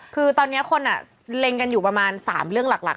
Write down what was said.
คือตอนนี้คนเล็งกันอยู่ประมาณ๓เรื่องหลัก